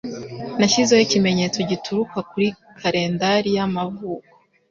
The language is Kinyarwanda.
Nashyizeho ikimenyetso gitukura kuri kalendari y'amavuko.